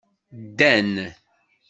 Ddan.